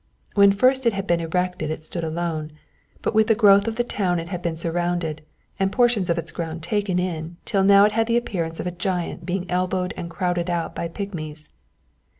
When first it had been erected it stood alone, but with the growth of the town it had been surrounded, and portions of its grounds taken in till now it had the appearance of a giant being elbowed and crowded out by pigmies.